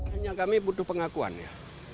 hanya kami butuh pengakuan ya